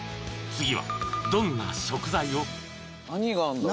［次はどんな食材を？］